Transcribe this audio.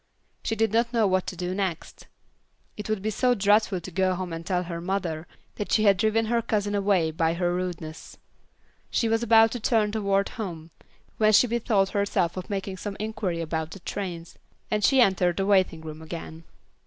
She did not know what to do next. It would be so dreadful to go home and tell her mother that she had driven her cousin away by her rudeness. She was about to turn toward home, when she bethought herself of making some inquiry about the trains; and she entered the waiting room again.